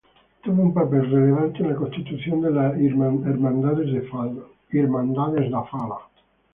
Tuvo un papel relevante en la constitución de las Irmandades da Fala.